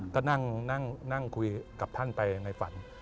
ก็นั่งคุยกับท่านไปในฝัน